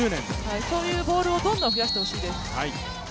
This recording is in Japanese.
そういうボールをどんどん増やしてほしいです。